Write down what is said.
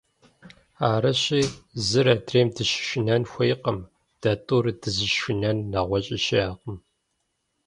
Арыщи зыр адрейм дыщышынэн хуейкъым, дэ тӀур дызыщышынэн нэгъуэщӀи щыӀэкъым.